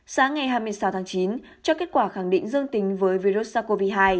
sáng ngày hai mươi sáu tháng chín cho kết quả khẳng định dương tính với virus sars cov hai